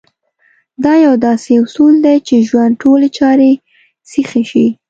دا يو داسې اصول دی چې ژوند ټولې چارې سيخې شي.